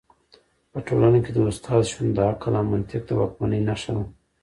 په ټولنه کي د استاد شتون د عقل او منطق د واکمنۍ نښه ده.